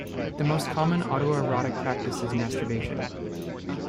The most common autoerotic practice is masturbation.